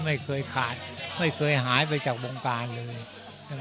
ไม่เคยขาดไม่เคยหายไปจากวงการเลยใช่ไหม